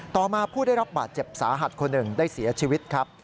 ต่อมาผู้ได้รับบาดเจ็บสาหัสคนหนึ่งได้เสียชีวิตครับ